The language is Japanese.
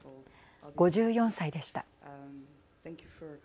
５４歳でした。